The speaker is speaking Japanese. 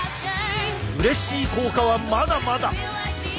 うれしい効果はまだまだ！